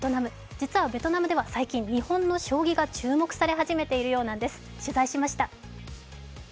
実はベトナムでは最近日本の将棋が注目され始めているようなんです、取材しました。